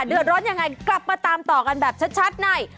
เดือดร้อนยังไงกลับมาตามต่อกันแบบชัดใน